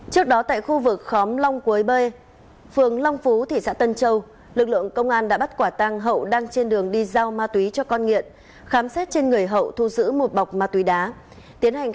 trước đó tại khu vực khóm long cuối bê phường long phú thị xã tân châu lực lượng công an đã bắt quả tàng hậu đang trên đường đi giao ma túy cho các bạn